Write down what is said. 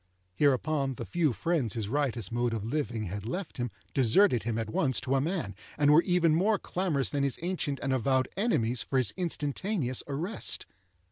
Hereupon, the few friends his riotous mode of living had left him deserted him at once to a man, and were even more clamorous than his ancient and avowed enemies for his instantaneous arrest.